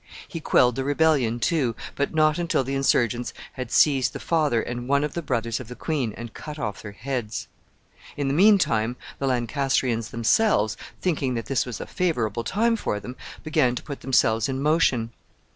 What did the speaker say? He quelled the rebellion too, but not until the insurgents had seized the father and one of the brothers of the queen, and cut off their heads. In the mean time, the Lancastrians themselves, thinking that this was a favorable time for them, began to put themselves in motion.